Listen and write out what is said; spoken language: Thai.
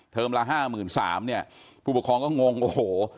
ละห้าหมื่นสามเนี่ยผู้ปกครองก็งงโอ้โห